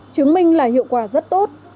chứng minh là hiệu quả rất tốt